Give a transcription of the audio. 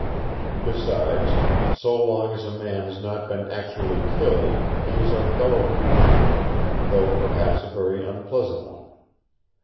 Besides, so long as a man has not been actually killed he is our fellow creature, though perhaps a very unpleasant one.